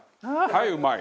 はい、うまい！